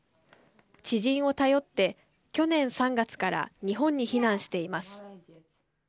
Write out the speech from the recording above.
知人を頼って去年３月から日本に避難しています。